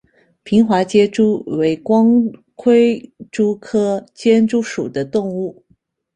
平滑间蛛为光盔蛛科间蛛属的动物。